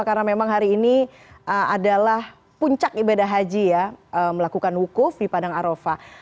karena memang hari ini adalah puncak ibadah haji ya melakukan wukuf di padang arofa